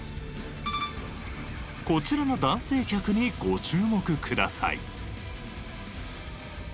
こちらの男性客にご注目ください。